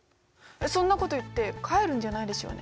そんなこと言って帰るんじゃないでしょうね？